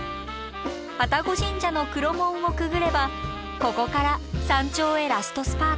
愛宕神社の黒門をくぐればここから山頂へラストスパート。